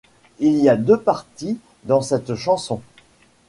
Il y a deux parties dans cette chanson.